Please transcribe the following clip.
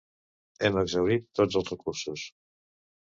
Hem exhaurit tots els recursos.